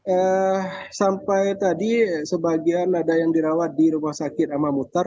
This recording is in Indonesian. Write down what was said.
eee sampai tadi sebagian ada yang dirawat di rumah sakit amamutar